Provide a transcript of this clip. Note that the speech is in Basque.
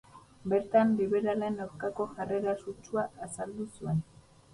Bertan liberalen aurkako jarrera sutsua azaldu zuen.